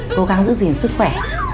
cố gắng giữ gìn sức khỏe